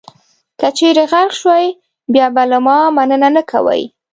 که چېرې غرق شوئ، بیا به له ما مننه نه کوئ.